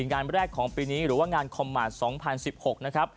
งานแรกของปีนี้หรือว่างานคอมมาตร๒๐๑๖นะครับ